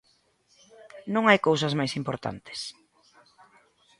Non hai cousas máis importantes?